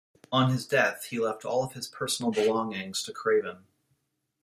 On his death he left all his personal belongings to Craven.